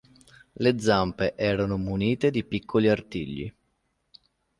Le zampe erano munite di piccoli artigli.